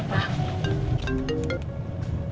saya ada apa